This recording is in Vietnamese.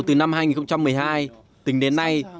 từ năm hai nghìn một mươi hai tính đến nay